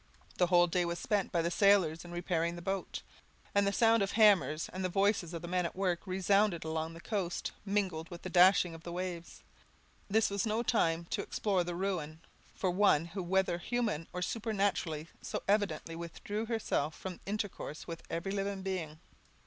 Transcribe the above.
The whole day was spent by the sailors in repairing the boat; and the sound of hammers, and the voices of the men at work, resounded along the coast, mingled with the dashing of the waves. This was no time to explore the ruin for one who whether human or supernatural so evidently withdrew herself from intercourse with every living being.